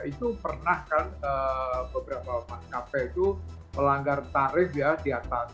itu pernah kan beberapa maskapai itu melanggar tarif ya di atas